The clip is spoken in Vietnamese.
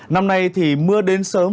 năm nay thì mưa đến sớm